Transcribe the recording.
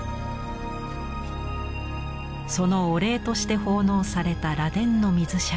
そのお礼として奉納された螺鈿の水杓。